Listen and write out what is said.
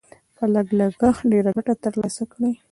په لږ لګښت ډېره ګټه تر لاسه کړئ.